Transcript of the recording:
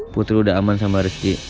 putri udah aman sama rizky